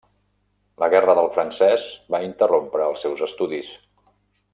La Guerra del Francès va interrompre els seus estudis.